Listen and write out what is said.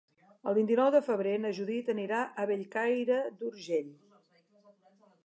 El vint-i-nou de febrer na Judit anirà a Bellcaire d'Urgell.